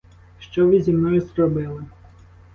Що ви зі мною зробили!